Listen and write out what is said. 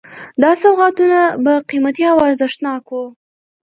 دا سوغاتونه به قیمتي او ارزښتناک وو.